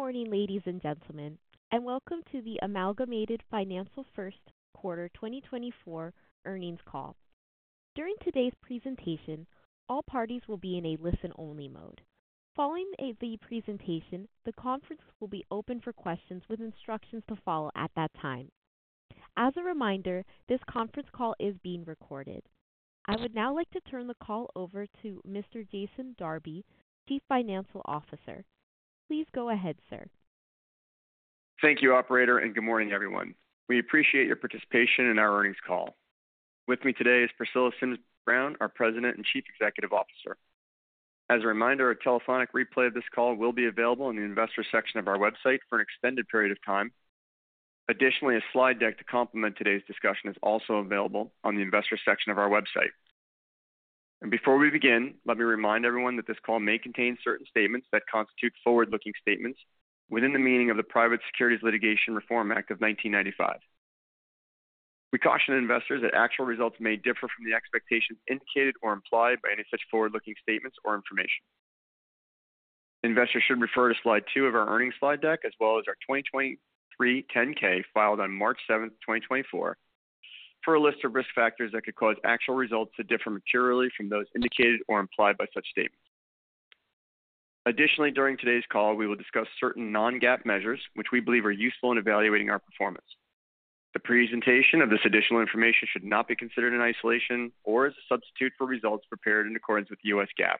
Good morning, ladies and gentlemen, and welcome to the Amalgamated Financial first quarter 2024 earnings call. During today's presentation, all parties will be in a listen-only mode. Following the presentation, the conference will be open for questions with instructions to follow at that time. As a reminder, this conference call is being recorded. I would now like to turn the call over to Mr. Jason Darby, Chief Financial Officer. Please go ahead, sir. Thank you, Operator, and good morning, everyone. We appreciate your participation in our earnings call. With me today is Priscilla Sims Brown, our President and Chief Executive Officer. As a reminder, a telephonic replay of this call will be available in the Investors section of our website for an extended period of time. Additionally, a slide deck to complement today's discussion is also available on the Investors section of our website. Before we begin, let me remind everyone that this call may contain certain statements that constitute forward-looking statements within the meaning of the Private Securities Litigation Reform Act of 1995. We caution investors that actual results may differ from the expectations indicated or implied by any such forward-looking statements or information. Investors should refer to slide 2 of our earnings slide deck, as well as our 2023 10-K filed on March 7, 2024, for a list of risk factors that could cause actual results to differ materially from those indicated or implied by such statements. Additionally, during today's call, we will discuss certain non-GAAP measures, which we believe are useful in evaluating our performance. The presentation of this additional information should not be considered in isolation or as a substitute for results prepared in accordance with U.S. GAAP.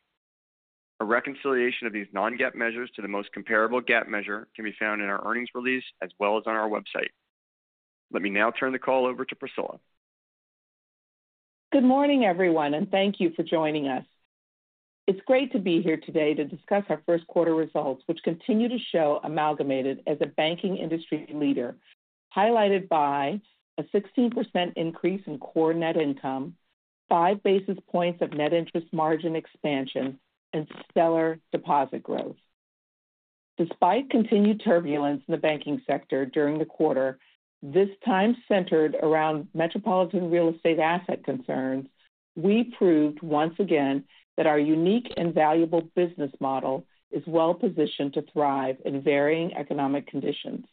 A reconciliation of these non-GAAP measures to the most comparable GAAP measure can be found in our earnings release as well as on our website. Let me now turn the call over to Priscilla. Good morning, everyone, and thank you for joining us. It's great to be here today to discuss our first quarter results, which continue to show Amalgamated as a banking industry leader, highlighted by a 16% increase in core net income, 5 basis points of net interest margin expansion, and stellar deposit growth. Despite continued turbulence in the banking sector during the quarter, this time centered around metropolitan real estate asset concerns, we proved once again that our unique and valuable business model is well-positioned to thrive in varying economic conditions.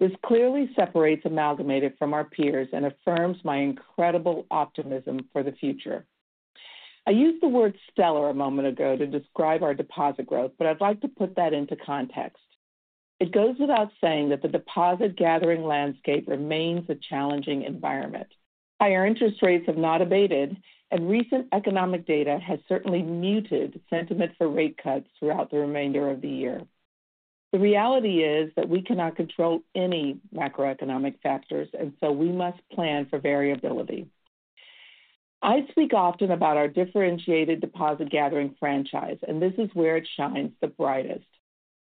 This clearly separates Amalgamated from our peers and affirms my incredible optimism for the future. I used the word "stellar" a moment ago to describe our deposit growth, but I'd like to put that into context. It goes without saying that the deposit-gathering landscape remains a challenging environment. Higher interest rates have not abated, and recent economic data has certainly muted sentiment for rate cuts throughout the remainder of the year. The reality is that we cannot control any macroeconomic factors, and so we must plan for variability. I speak often about our differentiated deposit-gathering franchise, and this is where it shines the brightest.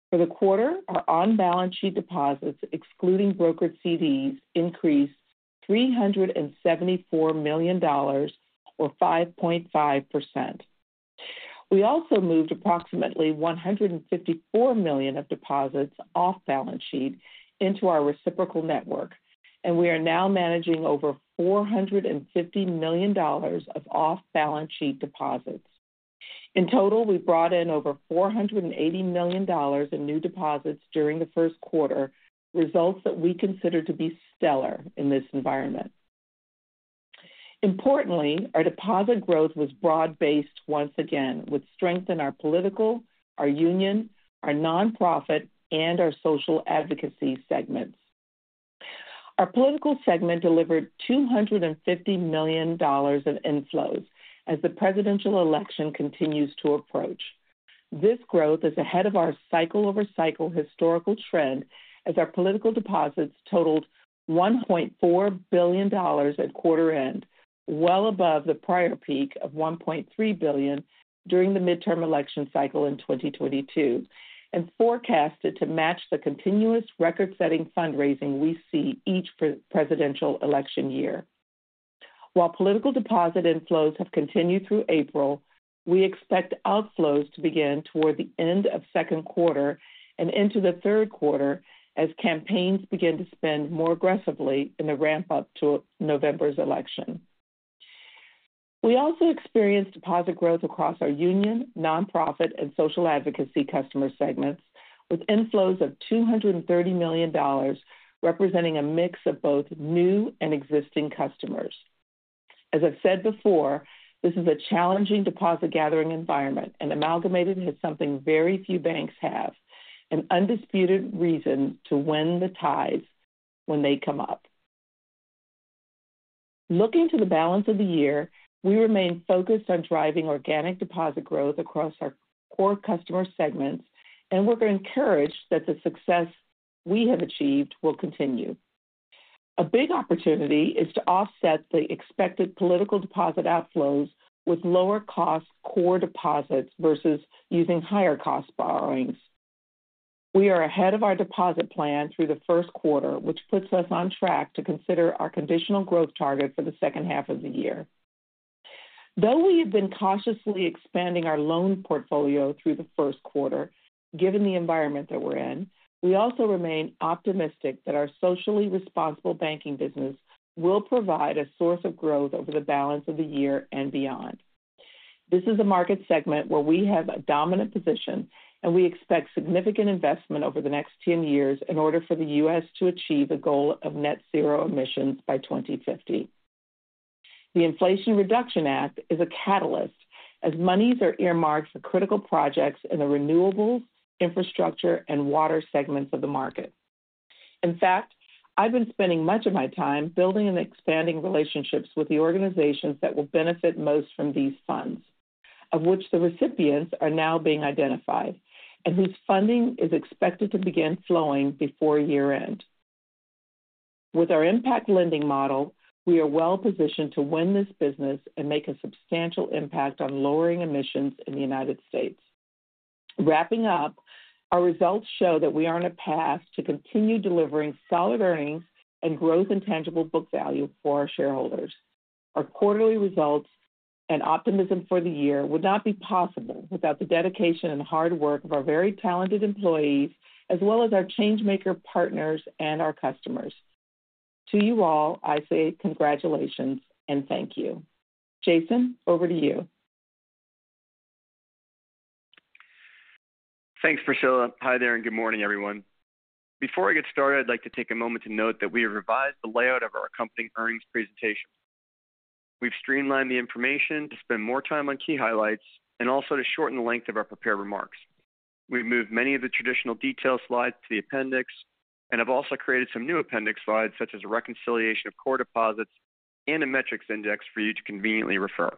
For the quarter, our on-balance sheet deposits, excluding brokered CDs, increased $374 million, or 5.5%. We also moved approximately $154 million of deposits off-balance sheet into our reciprocal network, and we are now managing over $450 million of off-balance sheet deposits. In total, we brought in over $480 million in new deposits during the first quarter, results that we consider to be stellar in this environment. Importantly, our deposit growth was broad-based once again, with strength in our political, our union, our nonprofit, and our social advocacy segments. Our political segment delivered $250 million of inflows as the presidential election continues to approach. This growth is ahead of our cycle-over-cycle historical trend, as our political deposits totaled $1.4 billion at quarter-end, well above the prior peak of $1.3 billion during the midterm election cycle in 2022, and forecasted to match the continuous record-setting fundraising we see each presidential election year. While political deposit inflows have continued through April, we expect outflows to begin toward the end of second quarter and into the third quarter as campaigns begin to spend more aggressively in the ramp-up to November's election. We also experienced deposit growth across our union, nonprofit, and social advocacy customer segments, with inflows of $230 million representing a mix of both new and existing customers. As I've said before, this is a challenging deposit-gathering environment, and Amalgamated has something very few banks have: an undisputed reason to win the ties when they come up. Looking to the balance of the year, we remain focused on driving organic deposit growth across our core customer segments, and we're encouraged that the success we have achieved will continue. A big opportunity is to offset the expected political deposit outflows with lower-cost core deposits versus using higher-cost borrowings. We are ahead of our deposit plan through the first quarter, which puts us on track to consider our conditional growth target for the second half of the year. Though we have been cautiously expanding our loan portfolio through the first quarter, given the environment that we're in, we also remain optimistic that our socially responsible banking business will provide a source of growth over the balance of the year and beyond. This is a market segment where we have a dominant position, and we expect significant investment over the next 10 years in order for the U.S. to achieve a goal of net-zero emissions by 2050. The Inflation Reduction Act is a catalyst, as monies are earmarked for critical projects in the renewables, infrastructure, and water segments of the market. In fact, I've been spending much of my time building and expanding relationships with the organizations that will benefit most from these funds, of which the recipients are now being identified and whose funding is expected to begin flowing before year-end. With our impact lending model, we are well-positioned to win this business and make a substantial impact on lowering emissions in the United States. Wrapping up, our results show that we are on a path to continue delivering solid earnings and growth in tangible book value for our shareholders. Our quarterly results and optimism for the year would not be possible without the dedication and hard work of our very talented employees, as well as our Changemaker partners and our customers. To you all, I say congratulations and thank you. Jason, over to you. Thanks, Priscilla. Hi there and good morning, everyone. Before I get started, I'd like to take a moment to note that we have revised the layout of our accompanying earnings presentation. We've streamlined the information to spend more time on key highlights and also to shorten the length of our prepared remarks. We've moved many of the traditional detail slides to the appendix and have also created some new appendix slides, such as a reconciliation of core deposits and a metrics index for you to conveniently refer.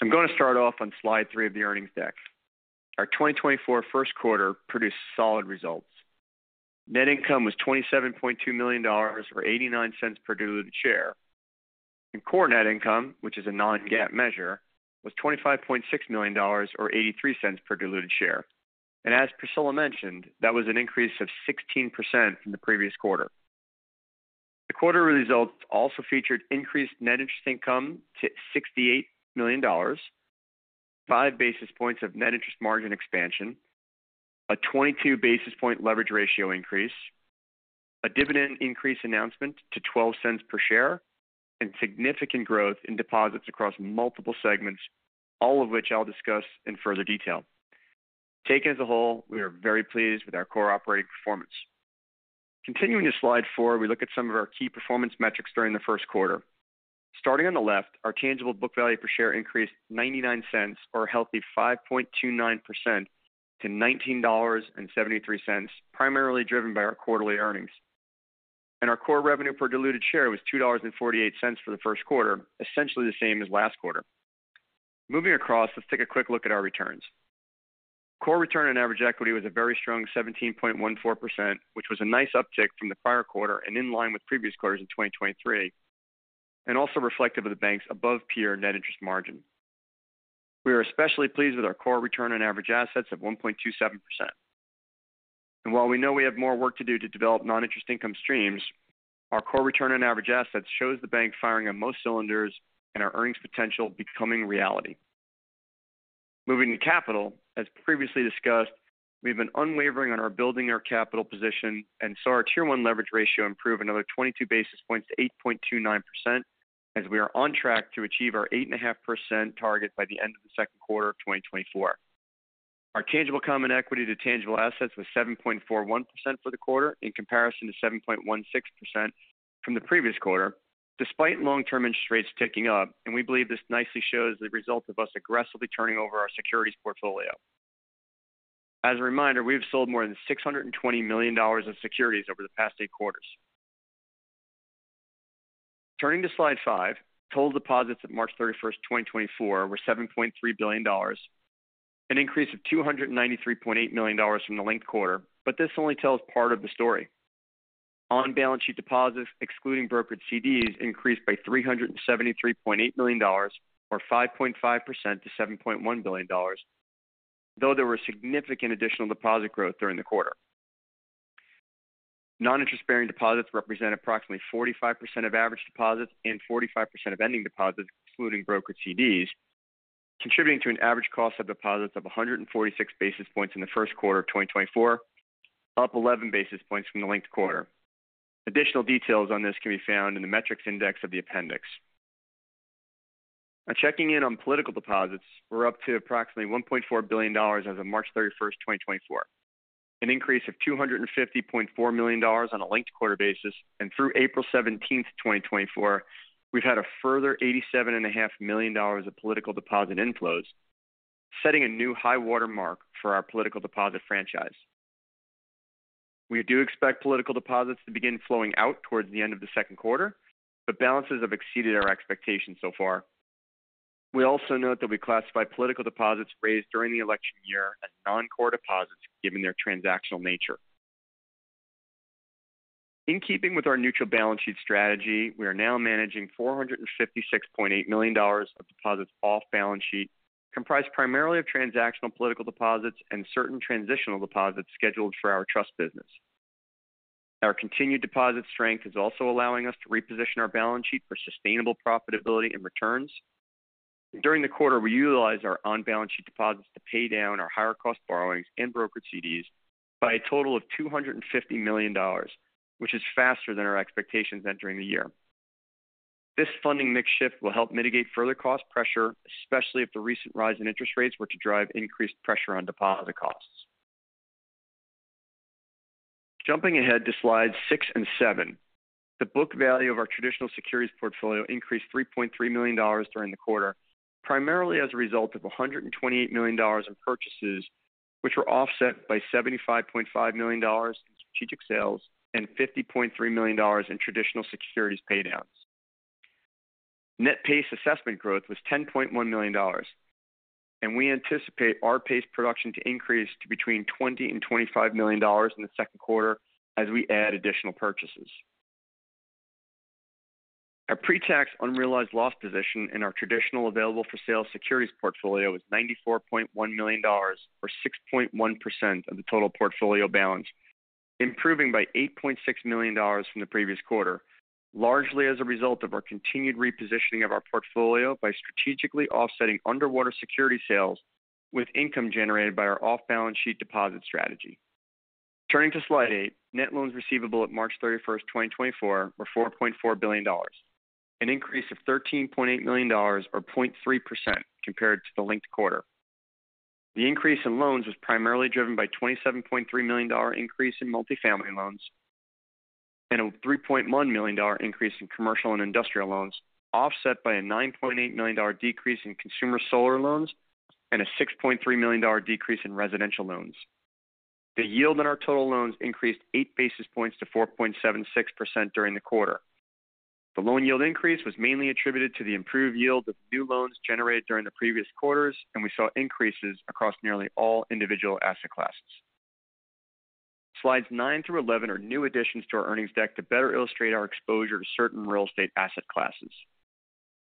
I'm going to start off on slide 3 of the earnings deck. Our 2024 first quarter produced solid results. Net income was $27.2 million, or $0.89 per diluted share. Core net income, which is a Non-GAAP measure, was $25.6 million, or $0.83 per diluted share. As Priscilla mentioned, that was an increase of 16% from the previous quarter. The quarterly results also featured increased net interest income to $68 million, 5 basis points of net interest margin expansion, a 22 basis point leverage ratio increase, a dividend increase announcement to $0.12 per share, and significant growth in deposits across multiple segments, all of which I'll discuss in further detail. Taken as a whole, we are very pleased with our core operating performance. Continuing to slide 4, we look at some of our key performance metrics during the first quarter. Starting on the left, our tangible book value per share increased $0.99, or a healthy 5.29%, to $19.73, primarily driven by our quarterly earnings. Our core revenue per diluted share was $2.48 for the first quarter, essentially the same as last quarter. Moving across, let's take a quick look at our returns. Core return on average equity was a very strong 17.14%, which was a nice uptick from the prior quarter and in line with previous quarters in 2023, and also reflective of the bank's above-peer net interest margin. We are especially pleased with our core return on average assets of 1.27%. While we know we have more work to do to develop non-interest income streams, our core return on average assets shows the bank firing on most cylinders and our earnings potential becoming reality. Moving to capital, as previously discussed, we've been unwavering on our building our capital position and saw our Tier 1 leverage ratio improve another 22 basis points to 8.29%, as we are on track to achieve our 8.5% target by the end of the second quarter of 2024. Our tangible common equity to tangible assets was 7.41% for the quarter, in comparison to 7.16% from the previous quarter, despite long-term interest rates ticking up, and we believe this nicely shows the result of us aggressively turning over our securities portfolio. As a reminder, we've sold more than $620 million in securities over the past 8 quarters. Turning to slide 5, total deposits at March 31, 2024, were $7.3 billion, an increase of $293.8 million from the linked quarter, but this only tells part of the story. On-balance sheet deposits, excluding brokered CDs, increased by $373.8 million, or 5.5% to $7.1 billion, though there was significant additional deposit growth during the quarter. Non-interest bearing deposits represent approximately 45% of average deposits and 45% of ending deposits, excluding brokered CDs, contributing to an average cost of deposits of 146 basis points in the first quarter of 2024, up 11 basis points from the linked quarter. Additional details on this can be found in the metrics index of the appendix. Now, checking in on political deposits, we're up to approximately $1.4 billion as of March 31, 2024, an increase of $250.4 million on a linked quarter basis, and through April 17, 2024, we've had a further $87.5 million of political deposit inflows, setting a new high-water mark for our political deposit franchise. We do expect political deposits to begin flowing out towards the end of the second quarter, but balances have exceeded our expectations so far. We also note that we classify political deposits raised during the election year as non-core deposits, given their transactional nature. In keeping with our neutral balance sheet strategy, we are now managing $456.8 million of deposits off-balance sheet, comprised primarily of transactional political deposits and certain transitional deposits scheduled for our trust business. Our continued deposit strength is also allowing us to reposition our balance sheet for sustainable profitability and returns. During the quarter, we utilized our on-balance sheet deposits to pay down our higher-cost borrowings and brokered CDs by a total of $250 million, which is faster than our expectations entering the year. This funding mix shift will help mitigate further cost pressure, especially if the recent rise in interest rates were to drive increased pressure on deposit costs. Jumping ahead to slides 6 and 7, the book value of our traditional securities portfolio increased $3.3 million during the quarter, primarily as a result of $128 million in purchases, which were offset by $75.5 million in strategic sales and $50.3 million in traditional securities paydowns. Net PACE assessment growth was $10.1 million, and we anticipate our PACE production to increase to between $20 million and $25 million in the second quarter as we add additional purchases. Our pre-tax unrealized loss position in our traditional available-for-sale securities portfolio was $94.1 million, or 6.1% of the total portfolio balance, improving by $8.6 million from the previous quarter, largely as a result of our continued repositioning of our portfolio by strategically offsetting underwater security sales with income generated by our off-balance sheet deposit strategy. Turning to slide 8, net loans receivable at March 31, 2024, were $4.4 billion, an increase of $13.8 million, or 0.3%, compared to the linked quarter. The increase in loans was primarily driven by a $27.3 million increase in multifamily loans and a $3.1 million increase in commercial and industrial loans, offset by a $9.8 million decrease in consumer solar loans and a $6.3 million decrease in residential loans. The yield on our total loans increased 8 basis points to 4.76% during the quarter. The loan yield increase was mainly attributed to the improved yield of new loans generated during the previous quarters, and we saw increases across nearly all individual asset classes. Slides 9 through 11 are new additions to our earnings deck to better illustrate our exposure to certain real estate asset classes.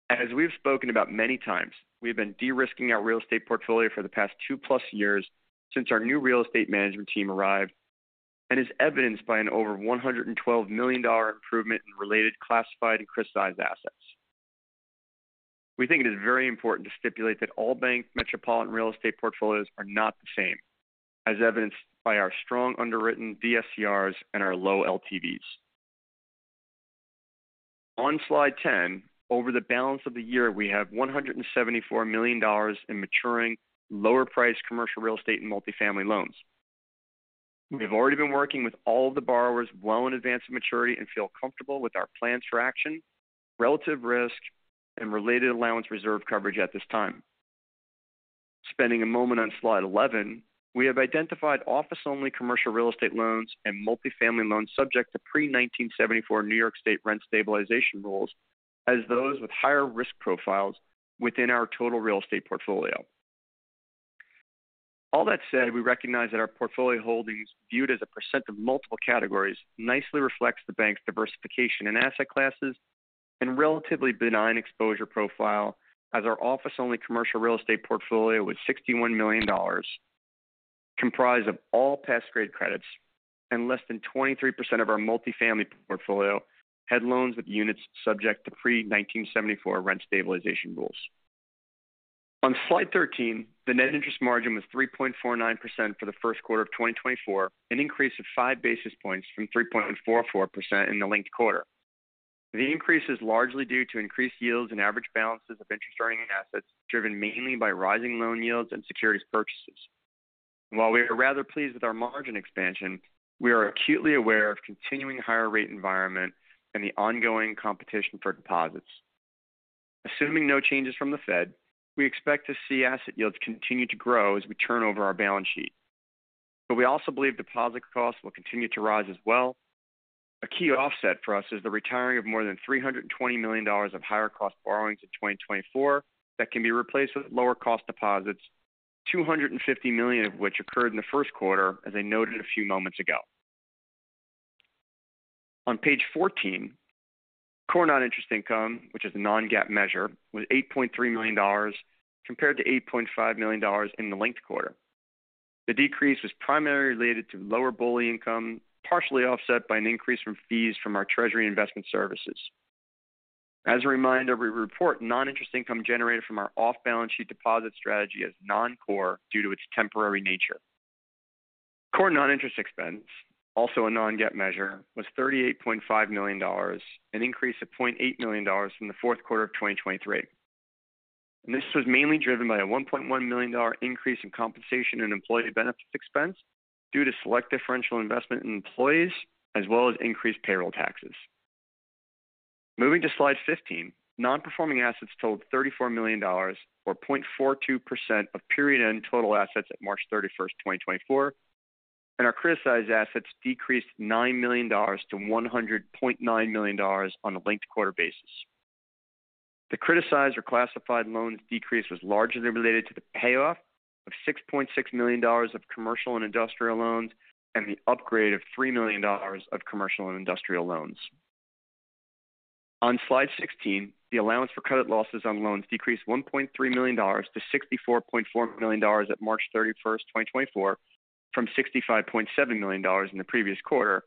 As we've spoken about many times, we've been de-risking our real estate portfolio for the past 2-plus years since our new real estate management team arrived, and is evidenced by an over $112 million improvement in related classified and crystallized assets. We think it is very important to stipulate that all bank metropolitan real estate portfolios are not the same, as evidenced by our strong underwritten DSCRs and our low LTVs. On slide 10, over the balance of the year, we have $174 million in maturing, lower-priced commercial real estate and multifamily loans. We have already been working with all of the borrowers well in advance of maturity and feel comfortable with our plans for action, relative risk, and related allowance reserve coverage at this time. Spending a moment on slide 11, we have identified office-only commercial real estate loans and multifamily loans subject to pre-1974 New York State rent stabilization rules as those with higher risk profiles within our total real estate portfolio. All that said, we recognize that our portfolio holdings, viewed as a percent of multiple categories, nicely reflect the bank's diversification in asset classes and relatively benign exposure profile, as our office-only commercial real estate portfolio was $61 million, comprised of all pass-grade credits, and less than 23% of our multifamily portfolio had loans with units subject to pre-1974 rent stabilization rules. On slide 13, the net interest margin was 3.49% for the first quarter of 2024, an increase of 5 basis points from 3.44% in the linked quarter. The increase is largely due to increased yields and average balances of interest-earning assets driven mainly by rising loan yields and securities purchases. While we are rather pleased with our margin expansion, we are acutely aware of continuing higher-rate environment and the ongoing competition for deposits. Assuming no changes from the Fed, we expect to see asset yields continue to grow as we turn over our balance sheet. But we also believe deposit costs will continue to rise as well. A key offset for us is the retiring of more than $320 million of higher-cost borrowings in 2024 that can be replaced with lower-cost deposits, $250 million of which occurred in the first quarter, as I noted a few moments ago. On page 14, core non-interest income, which is a non-GAAP measure, was $8.3 million compared to $8.5 million in the linked quarter. The decrease was primarily related to lower BOLI income, partially offset by an increase from fees from our Treasury Investment Services. As a reminder, we report non-interest income generated from our off-balance sheet deposit strategy as non-core due to its temporary nature. Core non-interest expense, also a non-GAAP measure, was $38.5 million, an increase of $0.8 million from the fourth quarter of 2023. This was mainly driven by a $1.1 million increase in compensation and employee benefits expense due to select differential investment in employees, as well as increased payroll taxes. Moving to slide 15, non-performing assets totaled $34 million, or 0.42% of period end total assets at March 31, 2024, and our criticized assets decreased $9 million to $100.9 million on a linked-quarter basis. The criticized or classified loans decrease was largely related to the payoff of $6.6 million of commercial and industrial loans and the upgrade of $3 million of commercial and industrial loans. On slide 16, the allowance for credit losses on loans decreased $1.3 million to $64.4 million at March 31, 2024, from $65.7 million in the previous quarter,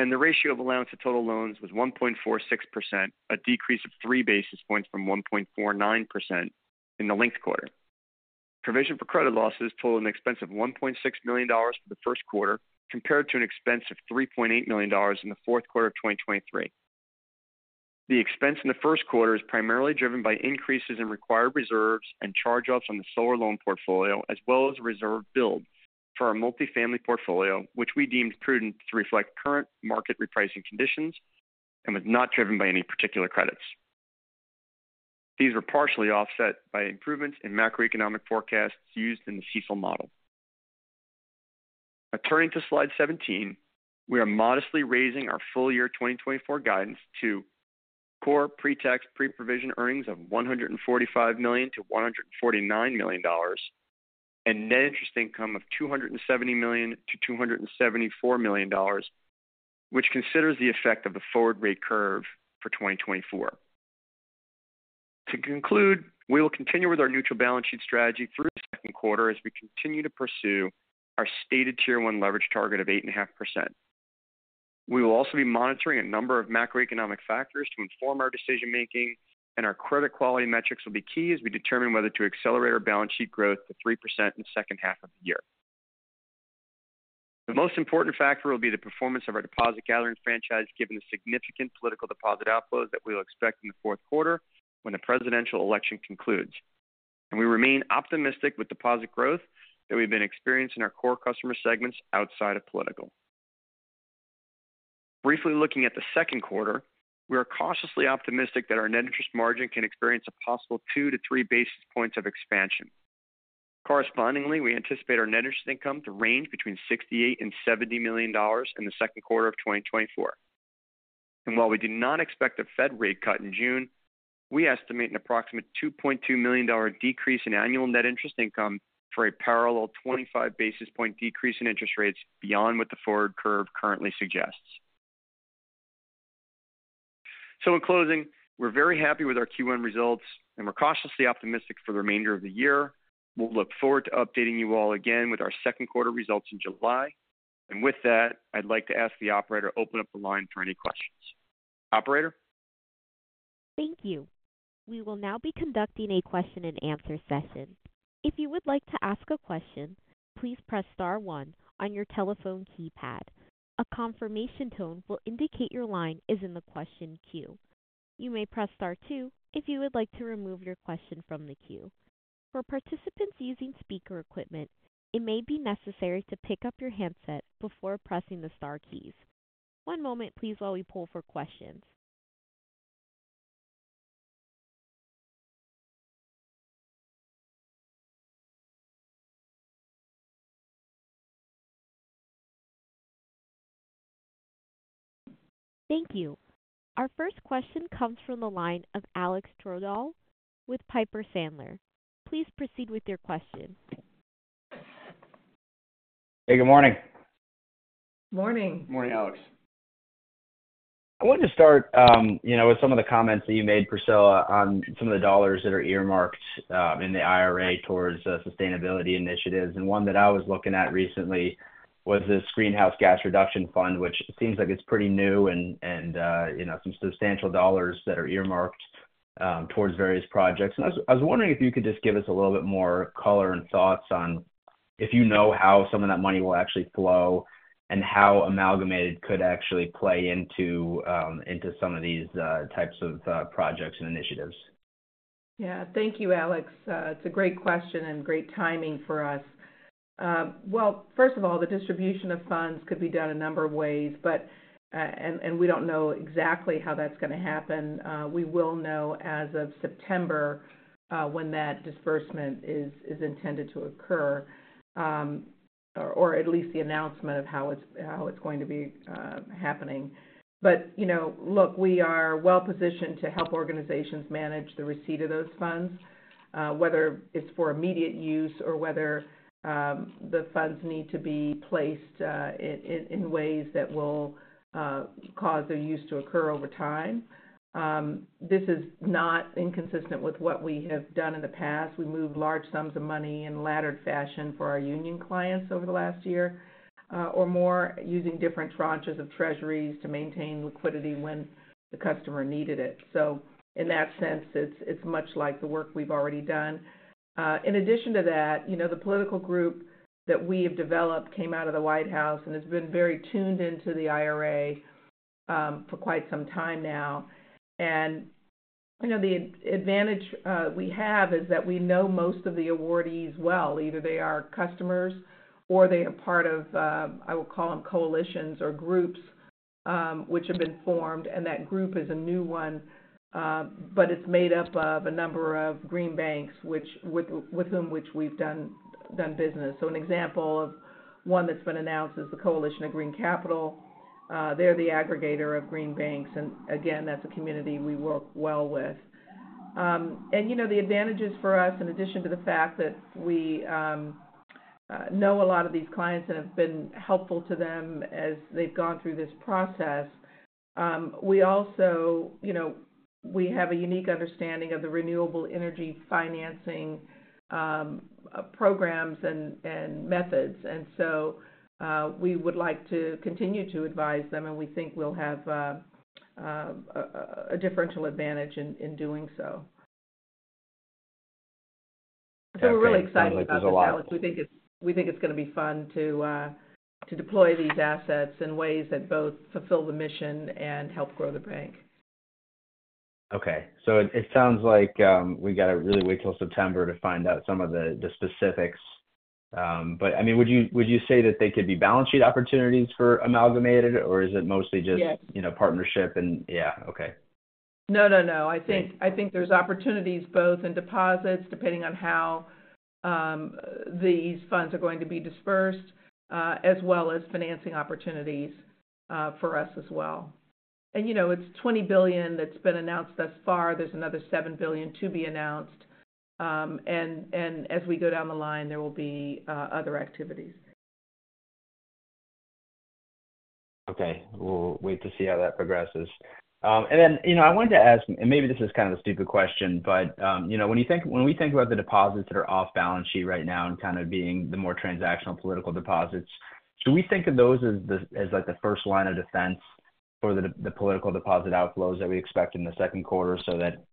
and the ratio of allowance to total loans was 1.46%, a decrease of 3 basis points from 1.49% in the linked quarter. Provision for credit losses totaled an expense of $1.6 million for the first quarter, compared to an expense of $3.8 million in the fourth quarter of 2023. The expense in the first quarter is primarily driven by increases in required reserves and charge-offs on the solar loan portfolio, as well as reserve builds for our multifamily portfolio, which we deemed prudent to reflect current market repricing conditions and was not driven by any particular credits. These were partially offset by improvements in macroeconomic forecasts used in the CECL model. Now, turning to slide 17, we are modestly raising our full-year 2024 guidance to Core Pre-Tax Pre-Provision Earnings of $145 million-$149 million, and Net Interest Income of $270 million-$274 million, which considers the effect of the forward-rate curve for 2024. To conclude, we will continue with our neutral balance sheet strategy through the second quarter as we continue to pursue our stated Tier 1 leverage target of 8.5%. We will also be monitoring a number of macroeconomic factors to inform our decision-making, and our credit quality metrics will be key as we determine whether to accelerate our balance sheet growth to 3% in the second half of the year. The most important factor will be the performance of our deposit-gathering franchise, given the significant political deposit outflows that we will expect in the fourth quarter when the presidential election concludes. And we remain optimistic with deposit growth that we've been experiencing in our core customer segments outside of political. Briefly looking at the second quarter, we are cautiously optimistic that our net interest margin can experience a possible 2-3 basis points of expansion. Correspondingly, we anticipate our net interest income to range between $68 and $70 million in the second quarter of 2024. And while we do not expect a Fed rate cut in June, we estimate an approximate $2.2 million decrease in annual net interest income for a parallel 25 basis point decrease in interest rates beyond what the forward curve currently suggests. So, in closing, we're very happy with our Q1 results, and we're cautiously optimistic for the remainder of the year. We'll look forward to updating you all again with our second quarter results in July. With that, I'd like to ask the operator to open up the line for any questions. Operator? Thank you. We will now be conducting a question-and-answer session. If you would like to ask a question, please press star 1 on your telephone keypad. A confirmation tone will indicate your line is in the question queue. You may press star 2 if you would like to remove your question from the queue. For participants using speaker equipment, it may be necessary to pick up your handset before pressing the star keys. One moment, please, while we pull for questions. Thank you. Our first question comes from the line of Alex Twerdahl with Piper Sandler. Please proceed with your question. Hey, good morning. Morning. Morning, Alex. I wanted to start with some of the comments that you made, Priscilla, on some of the dollars that are earmarked in the IRA towards sustainability initiatives. And one that I was looking at recently was this Greenhouse Gas Reduction Fund, which seems like it's pretty new and some substantial dollars that are earmarked towards various projects. And I was wondering if you could just give us a little bit more color and thoughts on if you know how some of that money will actually flow and how Amalgamated could actually play into some of these types of projects and initiatives. Yeah, thank you, Alex. It's a great question and great timing for us. Well, first of all, the distribution of funds could be done a number of ways, and we don't know exactly how that's going to happen. We will know as of September when that disbursement is intended to occur, or at least the announcement of how it's going to be happening. But look, we are well-positioned to help organizations manage the receipt of those funds, whether it's for immediate use or whether the funds need to be placed in ways that will cause their use to occur over time. This is not inconsistent with what we have done in the past. We moved large sums of money in a laddered fashion for our union clients over the last year or more, using different tranches of treasuries to maintain liquidity when the customer needed it. So, in that sense, it's much like the work we've already done. In addition to that, the political group that we have developed came out of the White House and has been very tuned into the IRA for quite some time now. The advantage we have is that we know most of the awardees well. Either they are customers or they are part of, I will call them, coalitions or groups which have been formed. That group is a new one, but it's made up of a number of green banks with whom we've done business. So an example of one that's been announced is the Coalition for Green Capital. They're the aggregator of green banks. Again, that's a community we work well with. The advantages for us, in addition to the fact that we know a lot of these clients and have been helpful to them as they've gone through this process, we also have a unique understanding of the renewable energy financing programs and methods. And so we would like to continue to advise them, and we think we'll have a differential advantage in doing so. So we're really excited about this, Alex. We think it's going to be fun to deploy these assets in ways that both fulfill the mission and help grow the bank. Okay. So it sounds like we got to really wait till September to find out some of the specifics. But I mean, would you say that they could be balance sheet opportunities for Amalgamated, or is it mostly just partnership and yeah, okay. No, no, no. I think there's opportunities both in deposits, depending on how these funds are going to be disbursed, as well as financing opportunities for us as well. And it's $20 billion that's been announced thus far. There's another $7 billion to be announced. And as we go down the line, there will be other activities. Okay. We'll wait to see how that progresses. Then I wanted to ask and maybe this is kind of a stupid question, but when we think about the deposits that are off balance sheet right now and kind of being the more transactional political deposits, should we think of those as the first line of defense for the political deposit outflows that we expect in the second quarter so that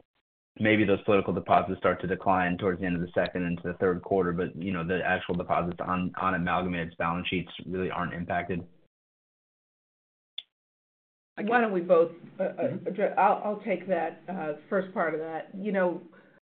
maybe those political deposits start to decline towards the end of the second into the third quarter, but the actual deposits on Amalgamated balance sheets really aren't impacted? Why don't we both? I'll take that first part of that.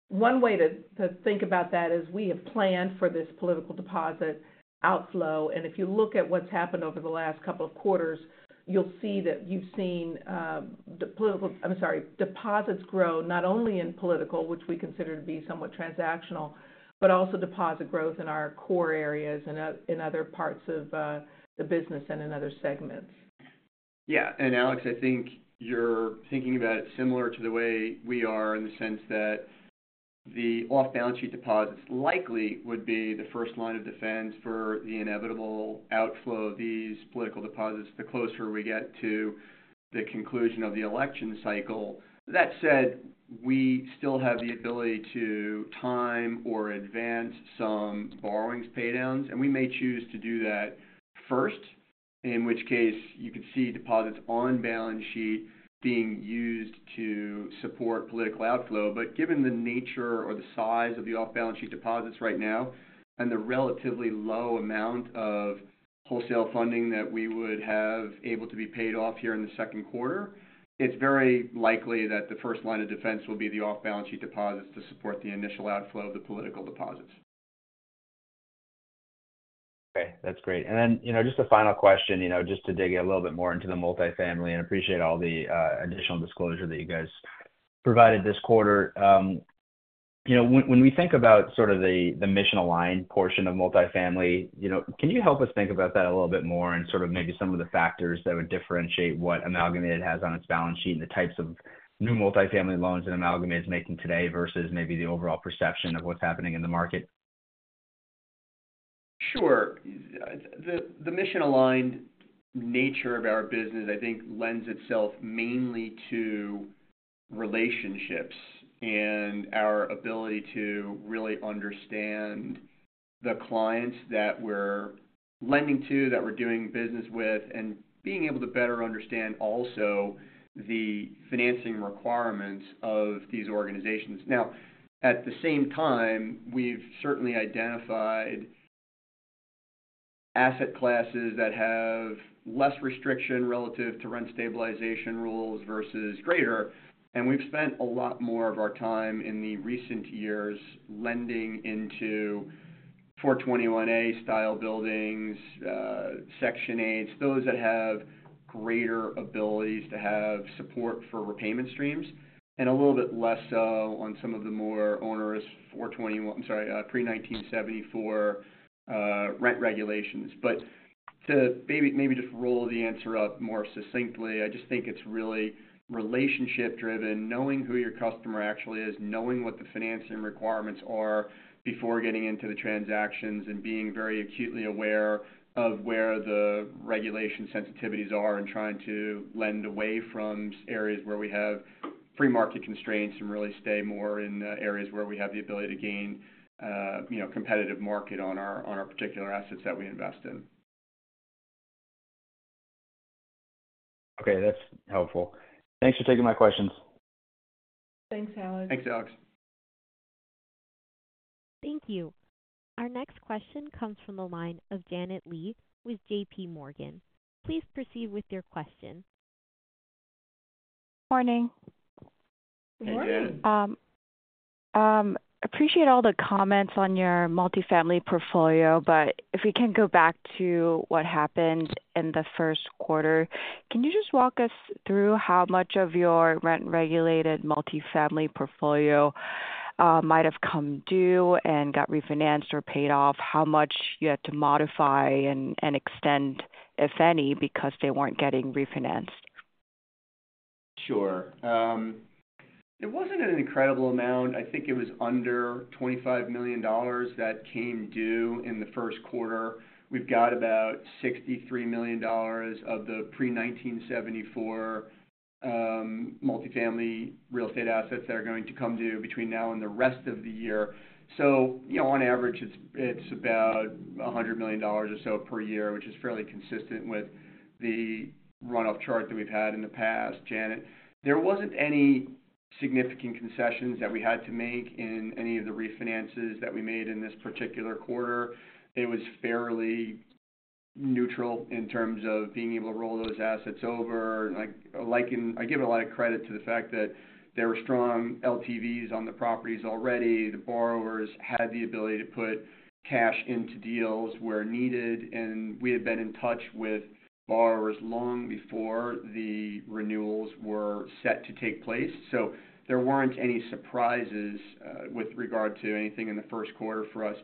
One way to think about that is we have planned for this political deposit outflow. And if you look at what's happened over the last couple of quarters, you'll see that you've seen the political, I'm sorry, deposits grow not only in political, which we consider to be somewhat transactional, but also deposit growth in our core areas and in other parts of the business and in other segments. Yeah. Alex, I think you're thinking about it similar to the way we are in the sense that the off-balance-sheet deposits likely would be the first line of defense for the inevitable outflow of these political deposits the closer we get to the conclusion of the election cycle. That said, we still have the ability to time or advance some borrowings paydowns. We may choose to do that first, in which case you could see deposits on-balance-sheet being used to support political outflow. But given the nature or the size of the off-balance-sheet deposits right now and the relatively low amount of wholesale funding that we would have able to be paid off here in the second quarter, it's very likely that the first line of defense will be the off-balance-sheet deposits to support the initial outflow of the political deposits. Okay. That's great. And then just a final question, just to dig a little bit more into the multifamily and appreciate all the additional disclosure that you guys provided this quarter. When we think about sort of the mission-aligned portion of multifamily, can you help us think about that a little bit more and sort of maybe some of the factors that would differentiate what Amalgamated has on its balance sheet and the types of new multifamily loans that Amalgamated is making today versus maybe the overall perception of what's happening in the market? Sure. The mission-aligned nature of our business, I think, lends itself mainly to relationships and our ability to really understand the clients that we're lending to, that we're doing business with, and being able to better understand also the financing requirements of these organizations. Now, at the same time, we've certainly identified asset classes that have less restriction relative to rent stabilization rules versus greater. We've spent a lot more of our time in the recent years lending into 421-a style buildings, Section 8s, those that have greater abilities to have support for repayment streams, and a little bit less so on some of the more onerous 421—I'm sorry, pre-1974 rent regulations. But to maybe just roll the answer up more succinctly, I just think it's really relationship-driven, knowing who your customer actually is, knowing what the financing requirements are before getting into the transactions, and being very acutely aware of where the regulation sensitivities are and trying to lend away from areas where we have free market constraints and really stay more in areas where we have the ability to gain competitive market on our particular assets that we invest in. Okay. That's helpful. Thanks for taking my questions. Thanks, Alex. Thanks, Alex. Thank you. Our next question comes from the line of Janet Lee with JPMorgan. Please proceed with your question. Morning. Hey, Janet. Appreciate all the comments on your multifamily portfolio, but if we can go back to what happened in the first quarter, can you just walk us through how much of your rent-regulated multifamily portfolio might have come due and got refinanced or paid off, how much you had to modify and extend, if any, because they weren't getting refinanced? Sure. It wasn't an incredible amount. I think it was under $25 million that came due in the first quarter. We've got about $63 million of the pre-1974 multifamily real estate assets that are going to come due between now and the rest of the year. So, on average, it's about $100 million or so per year, which is fairly consistent with the runoff chart that we've had in the past. Janet, there wasn't any significant concessions that we had to make in any of the refinances that we made in this particular quarter. It was fairly neutral in terms of being able to roll those assets over. I give a lot of credit to the fact that there were strong LTVs on the properties already. The borrowers had the ability to put cash into deals where needed. We had been in touch with borrowers long before the renewals were set to take place. So there weren't any surprises with regard to anything in the first quarter for us.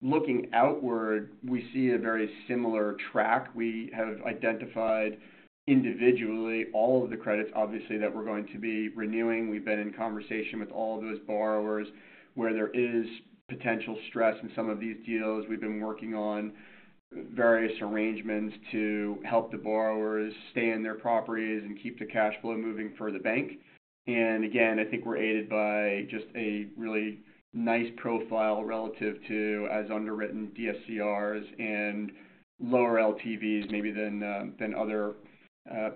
Looking outward, we see a very similar track. We have identified individually all of the credits, obviously, that we're going to be renewing. We've been in conversation with all of those borrowers where there is potential stress in some of these deals. We've been working on various arrangements to help the borrowers stay in their properties and keep the cash flow moving for the bank. And again, I think we're aided by just a really nice profile relative to as underwritten DSCRs and lower LTVs maybe than other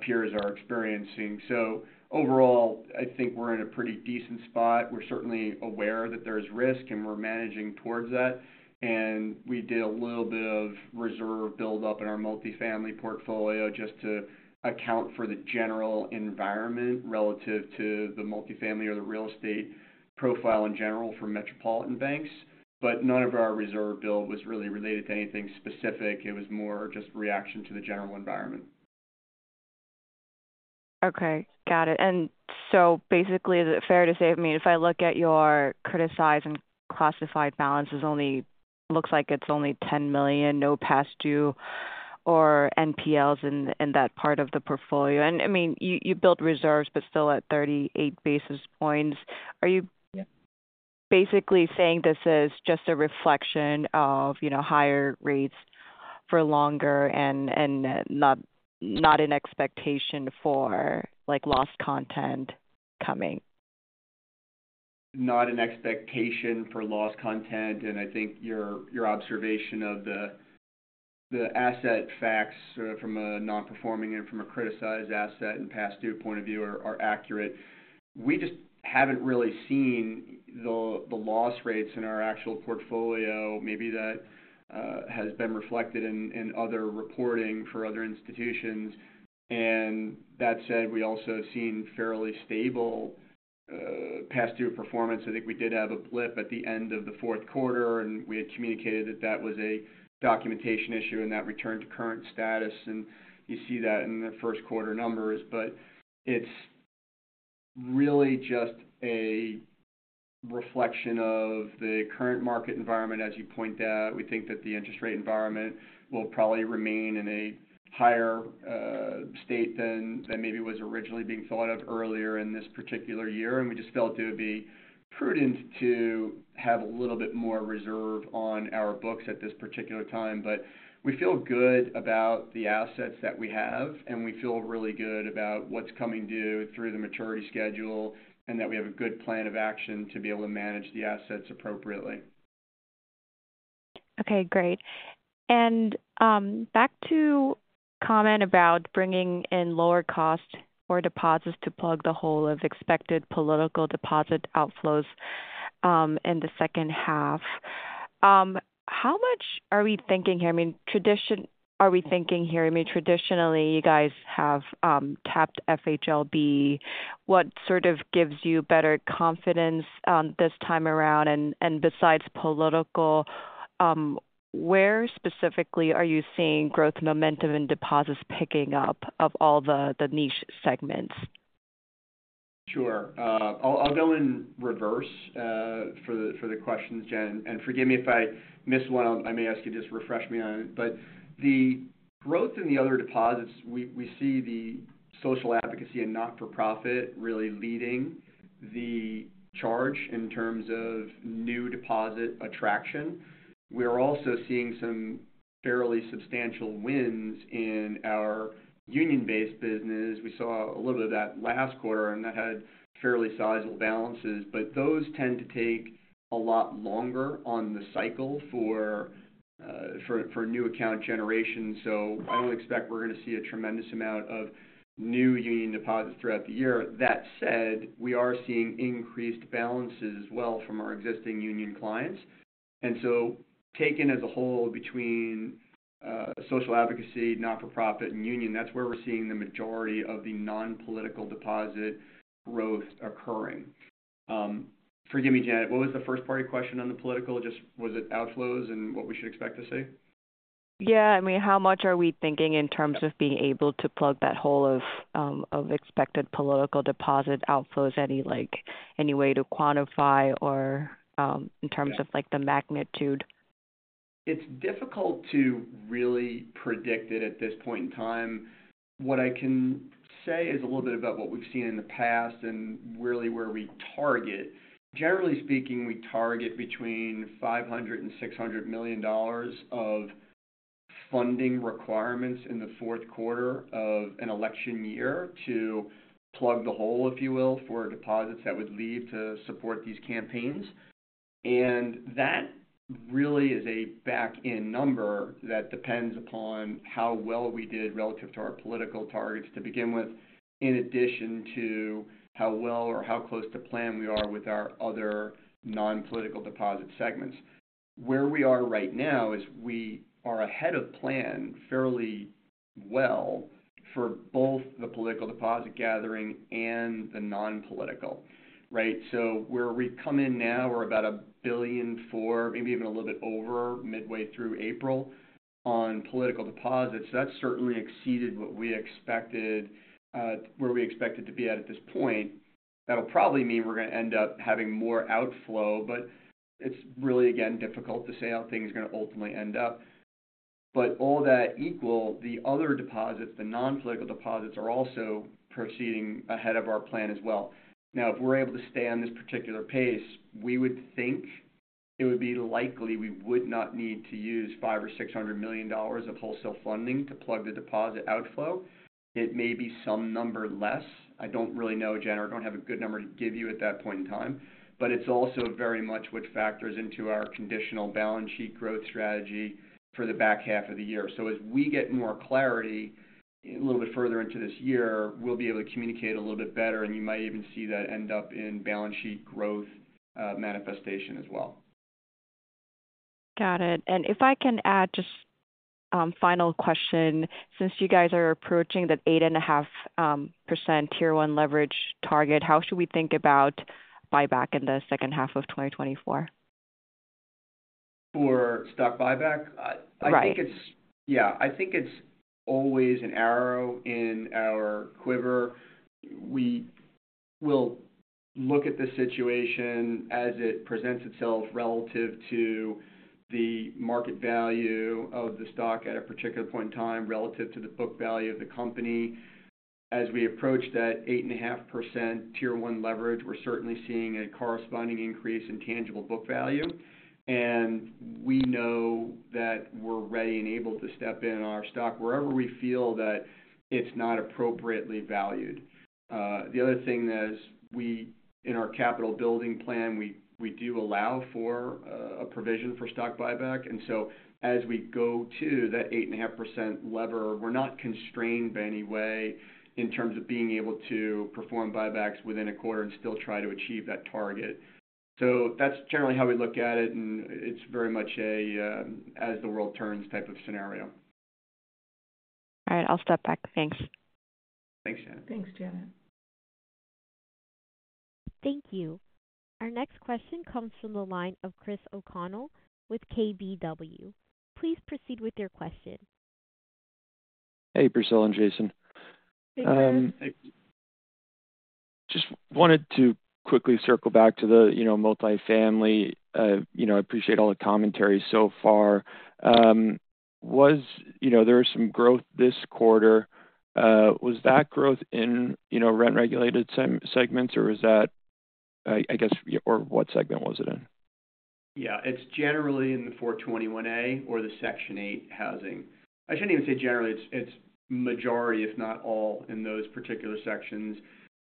peers are experiencing. So, overall, I think we're in a pretty decent spot. We're certainly aware that there's risk, and we're managing towards that. We did a little bit of reserve buildup in our multifamily portfolio just to account for the general environment relative to the multifamily or the real estate profile in general for metropolitan banks. But none of our reserve build was really related to anything specific. It was more just reaction to the general environment. Okay. Got it. So, basically, is it fair to say, I mean, if I look at your criticized and classified balances, it looks like it's only $10 million, no past due or NPLs in that part of the portfolio? I mean, you built reserves but still at 38 basis points. Are you basically saying this is just a reflection of higher rates for longer and not an expectation for expected losses coming? Not an expectation for loss content. I think your observation of the asset facts from a non-performing and from a criticized asset and past due point of view are accurate. We just haven't really seen the loss rates in our actual portfolio. Maybe that has been reflected in other reporting for other institutions. That said, we also have seen fairly stable past due performance. I think we did have a blip at the end of the fourth quarter, and we had communicated that that was a documentation issue and that returned to current status. You see that in the first quarter numbers. It's really just a reflection of the current market environment, as you pointed out. We think that the interest rate environment will probably remain in a higher state than maybe was originally being thought of earlier in this particular year. We just felt it would be prudent to have a little bit more reserve on our books at this particular time. But we feel good about the assets that we have, and we feel really good about what's coming due through the maturity schedule and that we have a good plan of action to be able to manage the assets appropriately. Okay. Great. And back to the comment about bringing in lower cost or deposits to plug the hole of expected political deposit outflows in the second half, how much are we thinking here? I mean, are we thinking here? Traditionally, you guys have tapped FHLB. What sort of gives you better confidence this time around? And besides political, where specifically are you seeing growth momentum in deposits picking up of all the niche segments? Sure. I'll go in reverse for the questions, Janet. Forgive me if I miss one. I may ask you to just refresh me on it. But the growth in the other deposits, we see the social advocacy and not-for-profit really leading the charge in terms of new deposit attraction. We're also seeing some fairly substantial wins in our union-based business. We saw a little bit of that last quarter, and that had fairly sizable balances. But those tend to take a lot longer on the cycle for new account generation. So I don't expect we're going to see a tremendous amount of new union deposits throughout the year. That said, we are seeing increased balances as well from our existing union clients. And so, taken as a whole, between social advocacy, not-for-profit, and union, that's where we're seeing the majority of the non-political deposit growth occurring. Forgive me, Janet. What was the first-party question on the political? Just was it outflows and what we should expect to see? Yeah. I mean, how much are we thinking in terms of being able to plug that hole of expected political deposit outflows? Any way to quantify or in terms of the magnitude? It's difficult to really predict it at this point in time. What I can say is a little bit about what we've seen in the past and really where we target. Generally speaking, we target between $500 million-$600 million of funding requirements in the fourth quarter of an election year to plug the hole, if you will, for deposits that would lead to support these campaigns. That really is a back-end number that depends upon how well we did relative to our political targets to begin with, in addition to how well or how close to plan we are with our other non-political deposit segments. Where we are right now is we are ahead of plan fairly well for both the political deposit gathering and the non-political, right? So where we come in now, we're about $1 billion, maybe even a little bit over, midway through April on political deposits. So that's certainly exceeded what we expected where we expected to be at this point. That'll probably mean we're going to end up having more outflow, but it's really, again, difficult to say how things are going to ultimately end up. But all else equal, the other deposits, the non-political deposits, are also proceeding ahead of our plan as well. Now, if we're able to stay on this particular pace, we would think it would be likely we would not need to use $500 million or $600 million of wholesale funding to plug the deposit outflow. It may be some number less. I don't really know, Jen. I don't have a good number to give you at that point in time. But it's also very much what factors into our conditional balance sheet growth strategy for the back half of the year. So as we get more clarity a little bit further into this year, we'll be able to communicate a little bit better, and you might even see that end up in balance sheet growth manifestation as well. Got it. If I can add just a final question, since you guys are approaching that 8.5% tier one leverage target, how should we think about buyback in the second half of 2024? For stock buyback? Right. Yeah. I think it's always an arrow in our quiver. We will look at the situation as it presents itself relative to the market value of the stock at a particular point in time relative to the book value of the company. As we approach that 8.5% Tier 1 leverage, we're certainly seeing a corresponding increase in tangible book value. And we know that we're ready and able to step in on our stock wherever we feel that it's not appropriately valued. The other thing is, in our capital building plan, we do allow for a provision for stock buyback. And so, as we go to that 8.5% leverage, we're not constrained by any way in terms of being able to perform buybacks within a quarter and still try to achieve that target. So that's generally how we look at it, and it's very much an as-the-world-turns type of scenario. All right. I'll step back. Thanks. Thanks, Janet. Thanks, Janet. Thank you. Our next question comes from the line of Chris O'Connell with KBW. Please proceed with your question. Hey, Priscilla and Jason. Hey, Jen. Just wanted to quickly circle back to the multifamily. I appreciate all the commentary so far. There was some growth this quarter. Was that growth in rent-regulated segments, or was that, I guess or what segment was it in? Yeah. It's generally in the 421-a or the Section 8 housing. I shouldn't even say generally. It's majority, if not all, in those particular sections.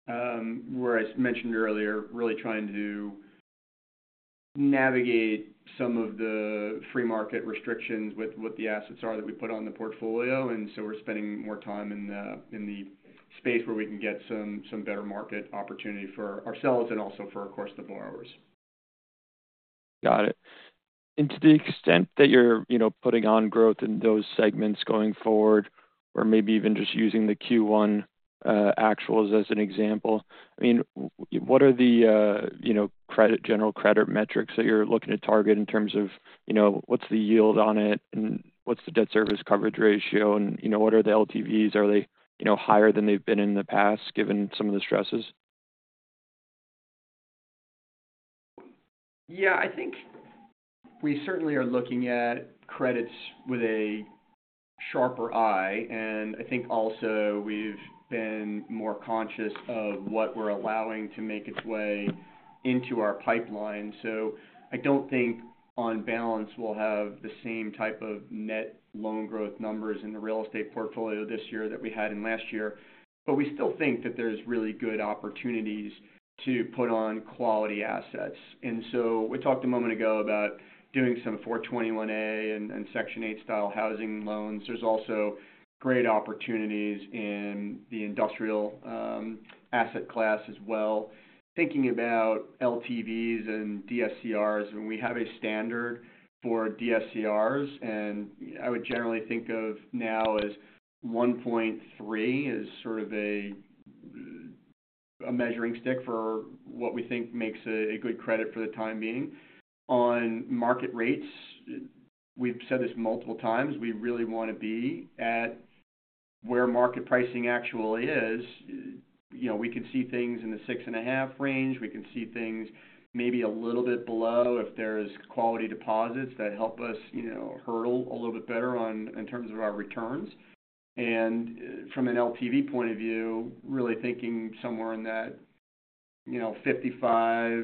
Where I mentioned earlier, really trying to navigate some of the free market restrictions with what the assets are that we put on the portfolio. And so we're spending more time in the space where we can get some better market opportunity for ourselves and also for, of course, the borrowers. Got it. And to the extent that you're putting on growth in those segments going forward or maybe even just using the Q1 actuals as an example, I mean, what are the general credit metrics that you're looking to target in terms of what's the yield on it, and what's the debt service coverage ratio, and what are the LTVs? Are they higher than they've been in the past given some of the stresses? Yeah. I think we certainly are looking at credits with a sharper eye. And I think, also, we've been more conscious of what we're allowing to make its way into our pipeline. So I don't think on balance, we'll have the same type of net loan growth numbers in the real estate portfolio this year that we had in last year. But we still think that there's really good opportunities to put on quality assets. And so we talked a moment ago about doing some 421-a and Section 8-style housing loans. There's also great opportunities in the industrial asset class as well, thinking about LTVs and DSCRs. I mean, we have a standard for DSCRs, and I would generally think of now as 1.3 as sort of a measuring stick for what we think makes a good credit for the time being. On market rates, we've said this multiple times. We really want to be at where market pricing actually is. We can see things in the 6.5 range. We can see things maybe a little bit below if there's quality deposits that help us hurdle a little bit better in terms of our returns. And from an LTV point of view, really thinking somewhere in that 55%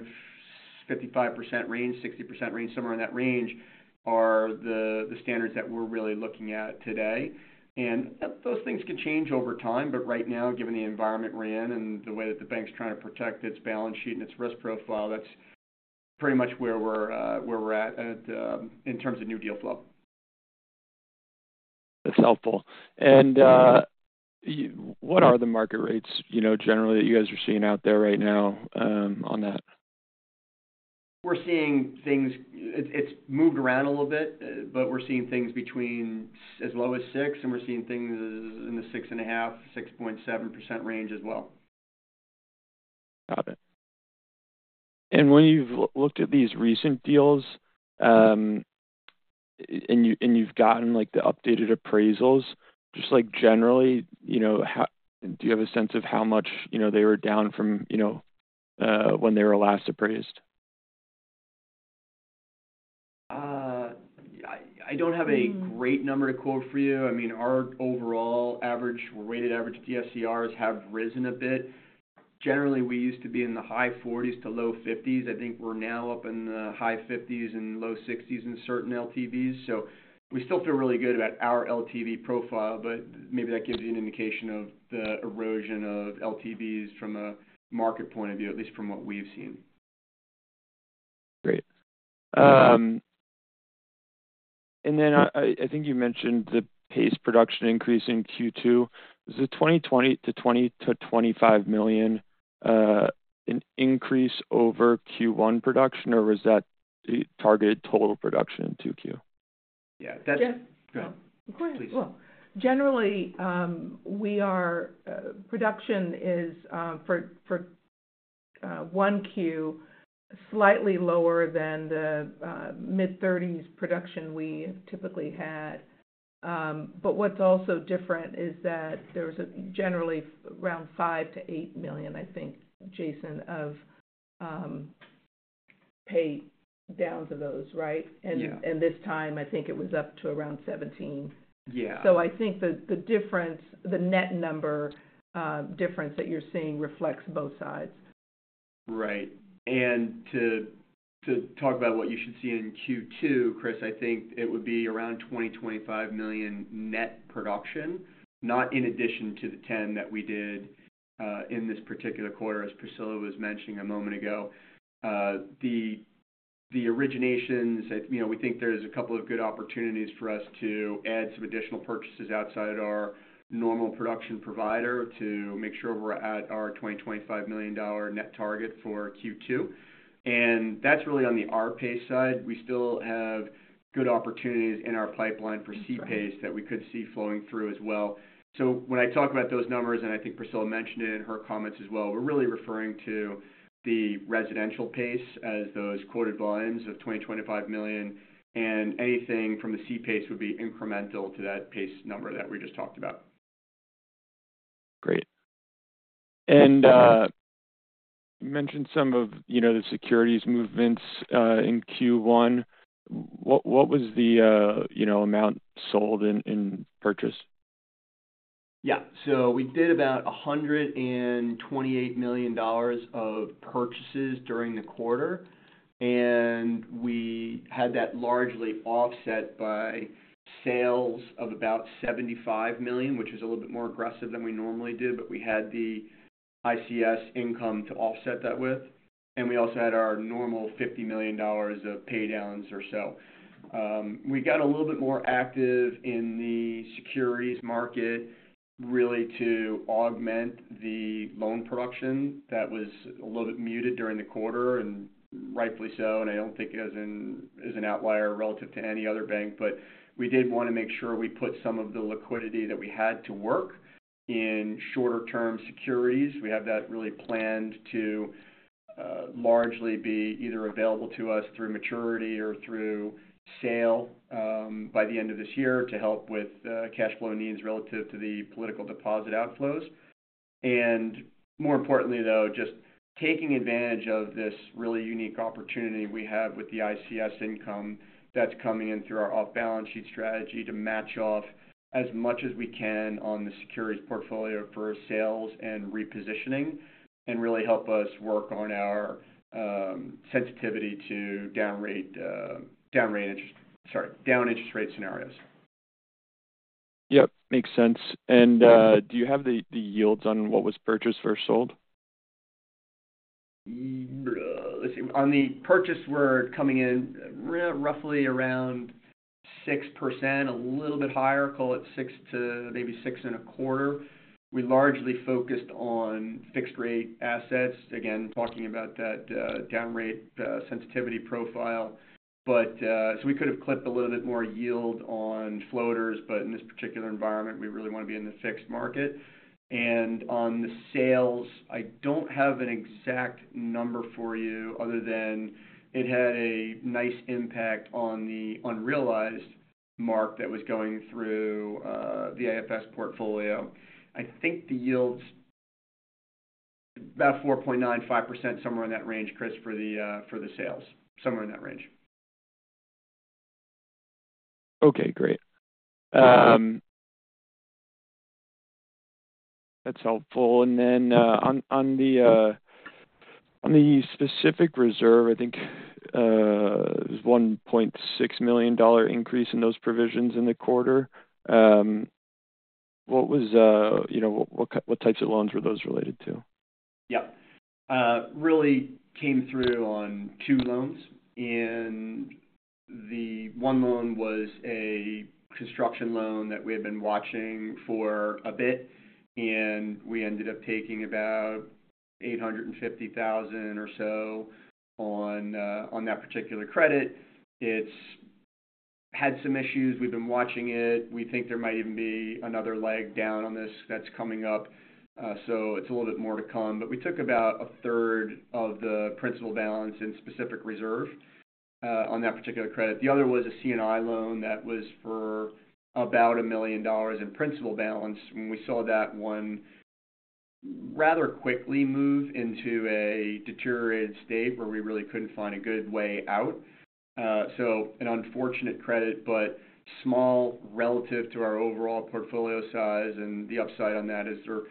range, 60% range, somewhere in that range are the standards that we're really looking at today. And those things can change over time. But right now, given the environment we're in and the way that the bank's trying to protect its balance sheet and its risk profile, that's pretty much where we're at in terms of new deal flow. That's helpful. And what are the market rates, generally, that you guys are seeing out there right now on that? We're seeing things, it's moved around a little bit, but we're seeing things as low as 6, and we're seeing things in the 6.5%-6.7% range as well. Got it. When you've looked at these recent deals and you've gotten the updated appraisals, just generally, do you have a sense of how much they were down from when they were last appraised? I don't have a great number to quote for you. I mean, our overall average, we're weighted average DSCRs have risen a bit. Generally, we used to be in the high 40s-low 50s. I think we're now up in the high 50s and low 60s in certain LTVs. So we still feel really good about our LTV profile, but maybe that gives you an indication of the erosion of LTVs from a market point of view, at least from what we've seen. Great. And then I think you mentioned the PACE production increase in Q2. Was it $20-$25 million an increase over Q1 production, or was that targeted total production in Q2? Yeah. Yeah. Go ahead. Of course. Well, generally, production is, for 1Q, slightly lower than the mid-30s production we typically had. But what's also different is that there was generally around $5 million-$8 million, I think, Jason, of pay downs of those, right? And this time, I think it was up to around $17 million. So I think the net number difference that you're seeing reflects both sides. Right. To talk about what you should see in Q2, Chris, I think it would be around $25 million net production, not in addition to the $10 million that we did in this particular quarter, as Priscilla was mentioning a moment ago. The originations, we think there's a couple of good opportunities for us to add some additional purchases outside of our normal production provider to make sure we're at our $25 million net target for Q2. And that's really on our PACE side. We still have good opportunities in our pipeline for C-PACE that we could see flowing through as well. So when I talk about those numbers, and I think Priscilla mentioned it in her comments as well, we're really referring to the residential PACE as those quoted volumes of $25 million. Anything from the C-PACE would be incremental to that PACE number that we just talked about. Great. You mentioned some of the securities movements in Q1. What was the amount sold and purchased? Yeah. So we did about $128 million of purchases during the quarter. And we had that largely offset by sales of about $75 million, which was a little bit more aggressive than we normally did, but we had the ICS income to offset that with. And we also had our normal $50 million of paydowns or so. We got a little bit more active in the securities market, really, to augment the loan production that was a little bit muted during the quarter, and rightfully so. And I don't think as an outlier relative to any other bank, but we did want to make sure we put some of the liquidity that we had to work in shorter-term securities. We have that really planned to largely be either available to us through maturity or through sale by the end of this year to help with cash flow needs relative to the political deposit outflows. And more importantly, though, just taking advantage of this really unique opportunity we have with the ICS income that's coming in through our off-balance sheet strategy to match off as much as we can on the securities portfolio for sales and repositioning and really help us work on our sensitivity to down-rate interest sorry, down-interest-rate scenarios. Yep. Makes sense. Do you have the yields on what was purchased versus sold? Let's see. On the purchase, we're coming in roughly around 6%, a little bit higher, call it 6%-6.25%. We largely focused on fixed-rate assets, again, talking about that down-rate sensitivity profile. So we could have clipped a little bit more yield on floaters, but in this particular environment, we really want to be in the fixed market. And on the sales, I don't have an exact number for you other than it had a nice impact on the unrealized mark that was going through the AFS portfolio. I think the yield's about 4.9%-5%, somewhere in that range, Chris, for the sales, somewhere in that range. Okay. Great. That's helpful. And then on the specific reserve, I think there's a $1.6 million increase in those provisions in the quarter. What types of loans were those related to? Yep. Really came through on two loans. And the one loan was a construction loan that we had been watching for a bit, and we ended up taking about $850,000 or so on that particular credit. It's had some issues. We've been watching it. We think there might even be another leg down on this that's coming up. So it's a little bit more to come. But we took about a third of the principal balance in specific reserve on that particular credit. The other was a C&I loan that was for about $1 million in principal balance. When we saw that one rather quickly move into a deteriorated state where we really couldn't find a good way out, so an unfortunate credit, but small relative to our overall portfolio size. The upside on that is there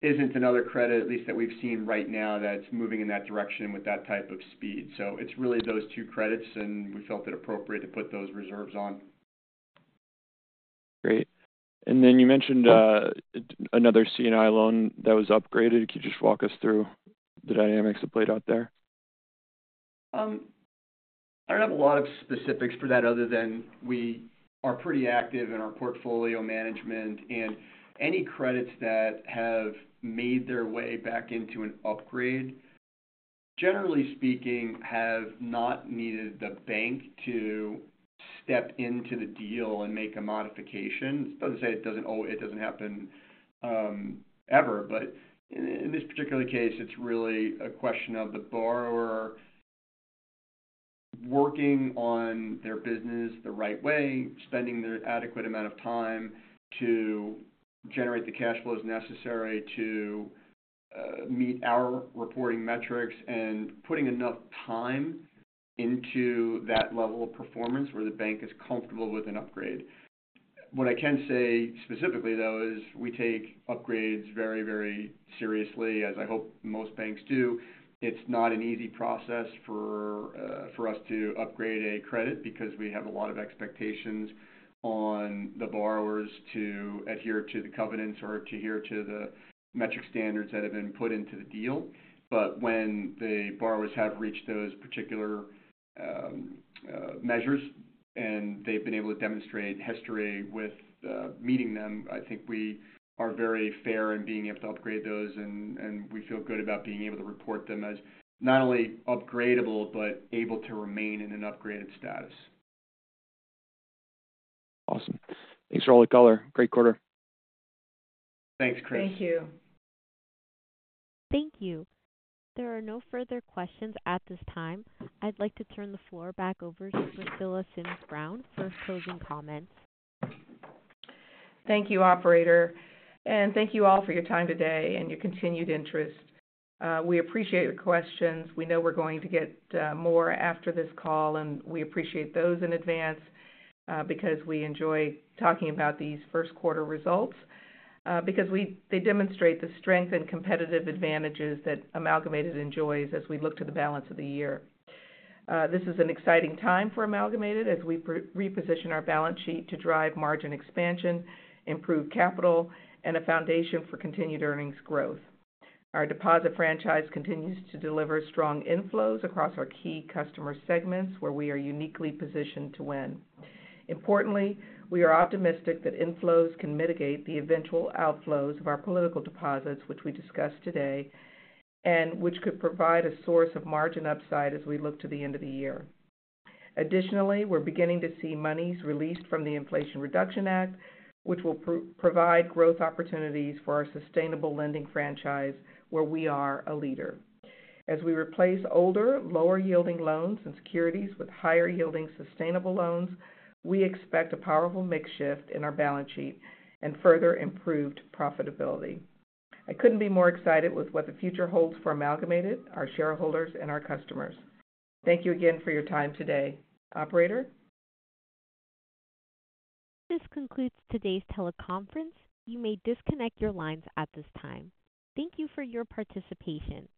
isn't another credit, at least that we've seen right now, that's moving in that direction with that type of speed. It's really those two credits, and we felt it appropriate to put those reserves on. Great. Then you mentioned another C&I loan that was upgraded. Could you just walk us through the dynamics that played out there? I don't have a lot of specifics for that other than we are pretty active in our portfolio management. Any credits that have made their way back into an upgrade, generally speaking, have not needed the bank to step into the deal and make a modification. This doesn't say it doesn't happen ever, but in this particular case, it's really a question of the borrower working on their business the right way, spending the adequate amount of time to generate the cash flow as necessary to meet our reporting metrics, and putting enough time into that level of performance where the bank is comfortable with an upgrade. What I can say specifically, though, is we take upgrades very, very seriously, as I hope most banks do. It's not an easy process for us to upgrade a credit because we have a lot of expectations on the borrowers to adhere to the covenants or to adhere to the metric standards that have been put into the deal. But when the borrowers have reached those particular measures and they've been able to demonstrate history with meeting them, I think we are very fair in being able to upgrade those, and we feel good about being able to report them as not only upgradable but able to remain in an upgraded status. Awesome. Thanks, for the color. Great quarter. Thanks, Chris. Thank you. Thank you. There are no further questions at this time. I'd like to turn the floor back over to Priscilla Sims Brown for closing comments. Thank you, operator. Thank you all for your time today and your continued interest. We appreciate the questions. We know we're going to get more after this call, and we appreciate those in advance because we enjoy talking about these first-quarter results because they demonstrate the strength and competitive advantages that Amalgamated enjoys as we look to the balance of the year. This is an exciting time for Amalgamated as we reposition our balance sheet to drive margin expansion, improve capital, and a foundation for continued earnings growth. Our deposit franchise continues to deliver strong inflows across our key customer segments where we are uniquely positioned to win. Importantly, we are optimistic that inflows can mitigate the eventual outflows of our political deposits, which we discussed today, and which could provide a source of margin upside as we look to the end of the year. Additionally, we're beginning to see monies released from the Inflation Reduction Act, which will provide growth opportunities for our sustainable lending franchise where we are a leader. As we replace older, lower-yielding loans and securities with higher-yielding sustainable loans, we expect a powerful makeshift in our balance sheet and further improved profitability. I couldn't be more excited with what the future holds for Amalgamated, our shareholders, and our customers. Thank you again for your time today, operator. This concludes today's teleconference. You may disconnect your lines at this time. Thank you for your participation.